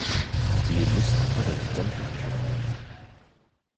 Yelli-s teqqel d tameṭṭut icebḥen.